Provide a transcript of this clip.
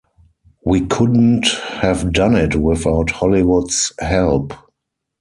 We couldn't have done it without Hollywood's help.